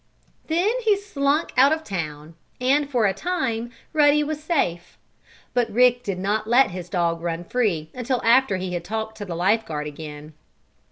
Then he slunk out of town, and, for a time, Ruddy was safe. But Rick did not let his dog run free until after he had talked to the life guard again.